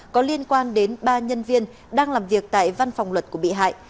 có liên quan đến ba nhân viên đang làm việc tại văn phòng luật của bị hại